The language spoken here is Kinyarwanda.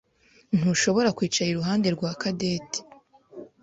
Ntushobora kwicara iruhande rwa Cadette.